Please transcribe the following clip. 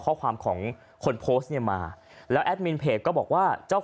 ข้อความของคนโพสต์เนี่ยมาแล้วแอดมินเพจก็บอกว่าเจ้า